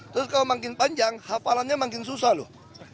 terus kalau makin panjang hafalannya makin susah loh